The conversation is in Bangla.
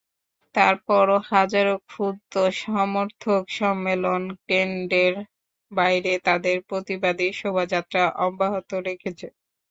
তারপরও হাজারো ক্ষুব্ধ সমর্থক সম্মেলন কেন্দ্রের বাইরে তাদের প্রতিবাদী শোভাযাত্রা অব্যাহত রেখেছে।